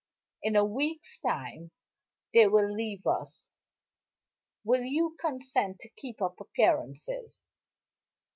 In a week's time they will leave us. Will you consent to keep up appearances?